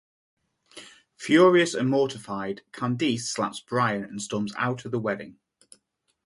Furious and mortified, Candace slaps Brian and storms out of the wedding.